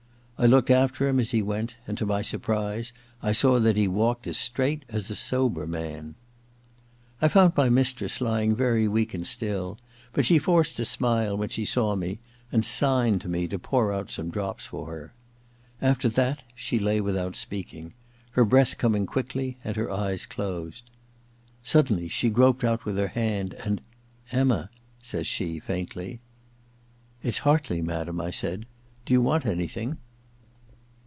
I looked after him as he went, and to my surprise I saw that he walked as straight as a sober man. I found my mistress lying very weak and still, but she forced a smile when she saw me, and signed to me to pour out some drops for her. After that she lay without speaking, her breath coming quick, and her eyes closed. Suddenly she groped out with her hand, and * Emma; says she, faintly. I40 THE LADY'S MAID'S BELL ii •It's Hardey, madam/ I s^d. *Do you want anything